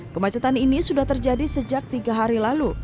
kemacetan ini sudah terjadi sejak tiga hari lalu